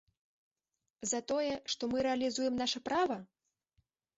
За тое, што мы рэалізуем наша права?